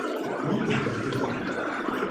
民族自決